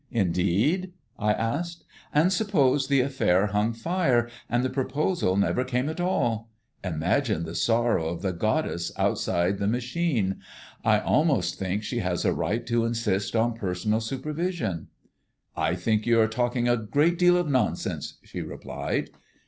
"Indeed?" I asked. "And suppose the affair hung fire, and the proposal never came at all? Imagine the sorrow of the Goddess outside the Machine! I almost think she has a right to insist on personal supervision." "I think you are talking a great deal of nonsense," she replied.